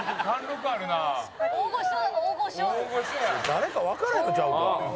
「誰かわからへんのちゃうか？」